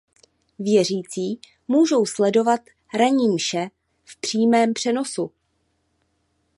Věřící můžou sledovat ranní mše v přímém přenosu.